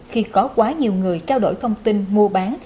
khi có quá nhiều người trao đổi thông tin mua bán